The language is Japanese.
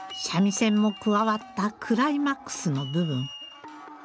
三味線も加わったクライマックスの部分。